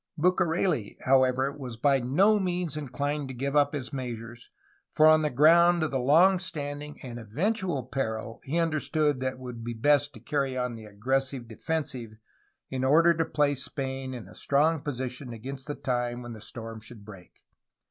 Bucareli, however, was by no means inclined to give up his measures, for on the ground of the long standing and eventual peril he understood that it would be best to carry on the ^^ aggressive defensive" in order to place Spain in a strong position against the time when the storm should break.